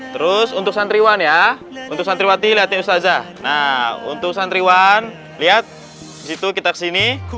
terus untuk santriwan ya untuk santriwati lihatnya ustazah nah untuk santriwan lihat disitu kita kesini